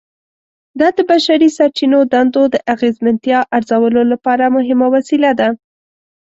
دا د بشري سرچینو دندو د اغیزمنتیا ارزولو لپاره مهمه وسیله ده.